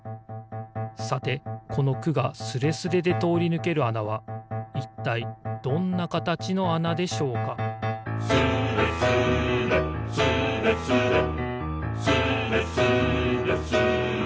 さてこの「く」がスレスレでとおりぬけるあなはいったいどんなかたちのあなでしょうか「スレスレスレスレ」「スレスレスーレスレ」